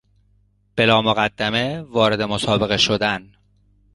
بلامقدمه وارد مسابقه شدن